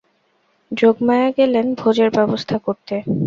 যোগমায়া গেলেন ভোজের ব্যবস্থা করতে।